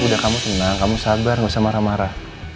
udah kamu senang kamu sabar gak usah marah marah